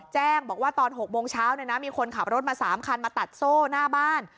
แจ้งบอกว่าตอน๖โมงเช้ามีคนขับรถมา๓คันมาตัดโซ่หน้าบ้าน